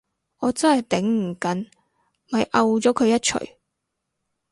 我真係頂唔緊，咪摳咗佢一鎚